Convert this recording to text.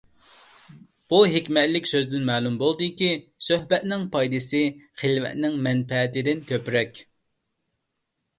بۇ ھېكمەتلىك سۆزدىن مەلۇم بولىدۇكى، سۆھبەتنىڭ پايدىسى خىلۋەتنىڭ مەنپەئىتىدىن كۆپرەك.